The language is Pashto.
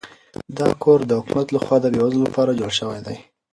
دا کور د حکومت لخوا د بې وزلو لپاره جوړ شوی دی.